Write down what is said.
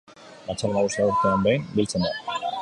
Batzar Nagusia urtean behin biltzen da.